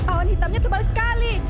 awan hitamnya tebal sekali